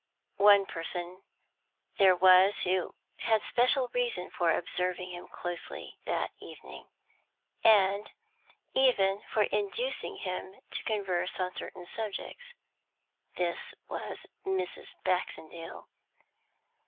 One person there was who had special reason for observing him closely that evening, and even for inducing him to converse on certain subjects; this was Mrs. Baxendale.